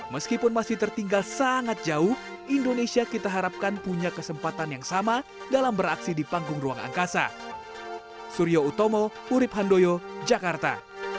meskipun masih tertinggal sangat jauh indonesia kita harapkan punya kesempatan yang sama dalam beraksi di panggung ruang angkasa